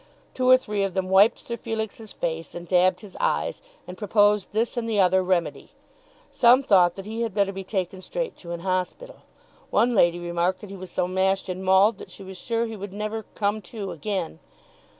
Two or three of them wiped Sir Felix's face, and dabbed his eyes, and proposed this and the other remedy. Some thought that he had better be taken straight to an hospital. One lady remarked that he was "so mashed and mauled" that she was sure he would never "come to" again.